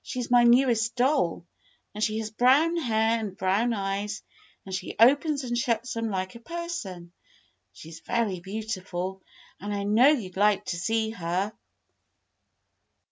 She's my newest doll, and she has brown hair and brown eyes and she opens and shuts them like a person. She 's very beautiful, and I know you 'd like to see her."